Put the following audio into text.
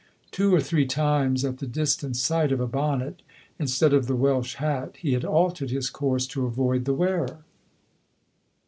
Two or three times, at the distant sight of a bonnet, instead of the Welsh hat, he had altered his course to avoid the wearer.